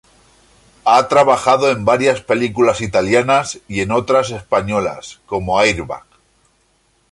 Ha trabajado en varias películas italianas y en otras españolas como "Airbag".